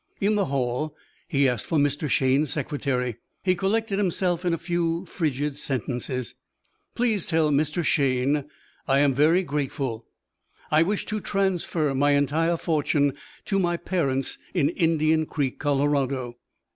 In the hall he asked for Mr. Shayne's secretary. He collected himself in a few frigid sentences. "Please tell Mr. Shayne I am very grateful. I wish to transfer my entire fortune to my parents in Indian Creek, Colorado.